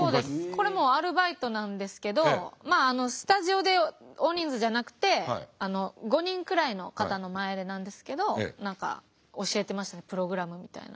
これもアルバイトなんですけどまあスタジオで大人数じゃなくて５人くらいの方の前でなんですけど何か教えてましたねプログラムみたいな。